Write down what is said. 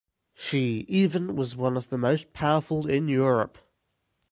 She even was one of the most powerful in Europe.